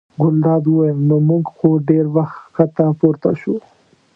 ګلداد وویل: نو موږ خو ډېر وخت ښکته پورته شوو.